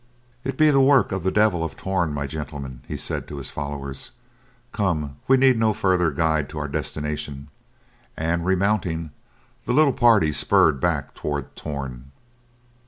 "It be the work of the Devil of Torn, my gentlemen," he said to his followers. "Come, we need no further guide to our destination." And, remounting, the little party spurred back toward Torn.